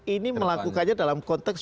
ini melakukannya dalam konteks